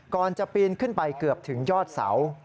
ก่อนจะปีนขึ้นไปเกือบถึงยอดเสา